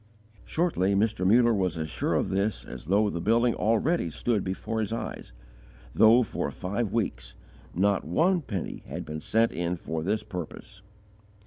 Shortly Mr. Muller was as sure of this as though the building already stood before his eyes, though for five weeks not one penny had been sent in for this purpose.